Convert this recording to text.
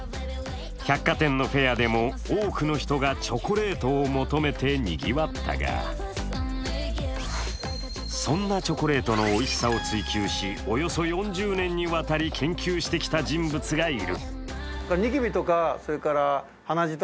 百貨店のフェアでも多くの人がチョコレートを求めてにぎわったが、そんなチョコレートのおいしさを追求し、およそ４０年にわたって研究してきた人物がいる。